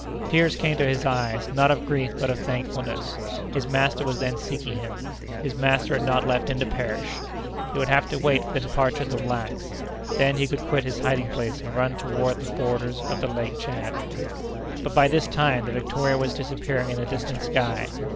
Tears came to his eyes, not of grief but of thankfulness; his master was then seeking him; his master had not left him to perish! He would have to wait for the departure of the blacks; then he could quit his hiding place and run toward the borders of Lake Tchad! But by this time the Victoria was disappearing in the distant sky.